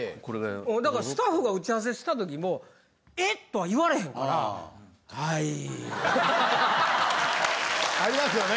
だからスタッフが打ち合わせした時も「え？」とは言われへんから「はい」。ありますよね？